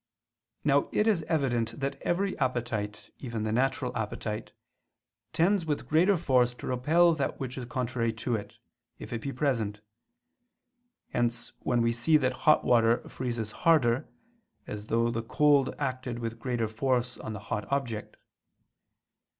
Now it is evident that every appetite, even the natural appetite, tends with greater force to repel that which is contrary to it, if it be present: hence we see that hot water freezes harder, as though the cold acted with greater force on the hot object.